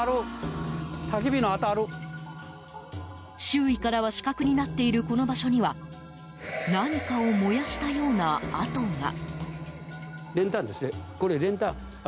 周囲からは死角になっているこの場所には何かを燃やしたような跡が。